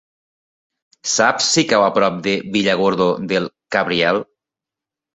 Saps si cau a prop de Villargordo del Cabriel?